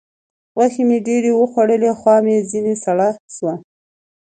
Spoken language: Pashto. غوښې مې ډېرې وخوړلې؛ خوا مې ځينې سړه سوه.